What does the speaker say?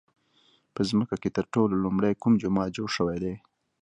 په ځمکه کې تر ټولو لومړی کوم جومات جوړ شوی دی؟